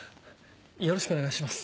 よろしくお願いします。